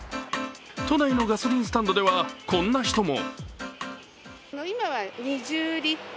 都内のガソリンスタンドではこんな人も。